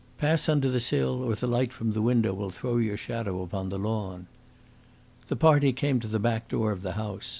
"Pass under the sill, or the light from the window will throw your shadow upon the lawn." The party came to the back door of the house.